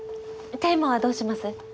テーマはどうします？